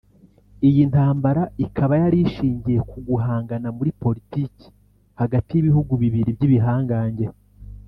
Iyi ntambara ikaba yarishingiye ku guhangana muri politiki hagati y’ibihugu bibiri by’ibihangange